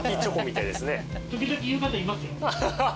時々言う方いますよ。